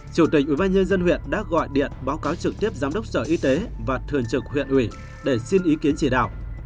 chủ tịch ubnd huyện đã gọi điện báo cáo trực tiếp giám đốc sở y tế và thường trực huyện ủy để xin ý kiến chỉ đạo